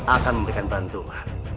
akan memberikan bantuan